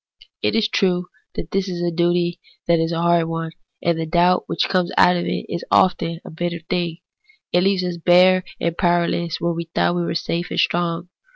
It is true that this duty is a hard one, and the doubt which comes out of it is often a very bitter thing. It leaves us bare and powerless where we thought that we were safe and strong.